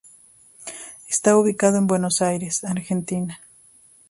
Está ubicado en Buenos Aires, Argentina.